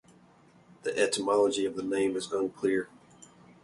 The etymology of the name is unclear.